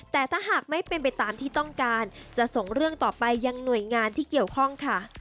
แต่ถ้าหากไม่เป็นไปตามที่ต้องการจะส่งเรื่องต่อไปยังหน่วยงานที่เกี่ยวข้องค่ะ